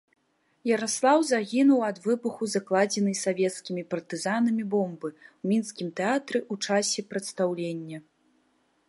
Яраслаў загінуў ад выбуху закладзенай савецкімі партызанамі бомбы, у мінскім тэатры ў часе прадстаўлення.